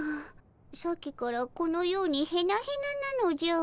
さっきからこのようにヘナヘナなのじゃ。